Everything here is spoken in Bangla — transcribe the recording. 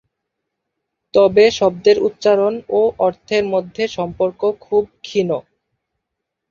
তবে শব্দের উচ্চারণ ও অর্থের মধ্যে সম্পর্ক খুব ক্ষীণ।